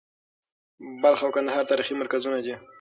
بلخ او کندهار تاریخي مرکزونه دي.